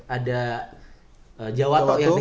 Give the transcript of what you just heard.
ada jawat yang dihitung sebagai lokal